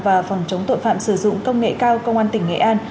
và phòng chống tội phạm sử dụng công nghệ cao công an tỉnh nghệ an